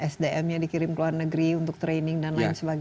sdm nya dikirim ke luar negeri untuk training dan lain sebagainya